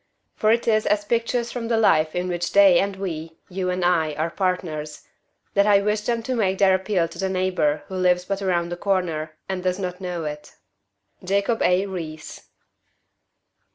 For it is as pictures from the life in which they and we, you and I, are partners, that I wish them to make their appeal to the neighbor who lives but around the corner and does not know it. JACOB A. RIIS.